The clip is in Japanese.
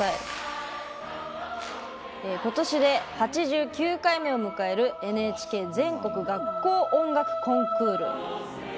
今年で８９回目を迎える「ＮＨＫ全国学校音楽コンクール」。